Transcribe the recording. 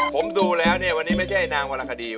ผมดูแล้วเนี่ยวันนี้ไม่ใช่นางวรคดี